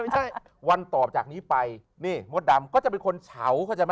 ไม่ใช่วันต่อจากนี้ไปมดดำก็จะเป็นคนเฉา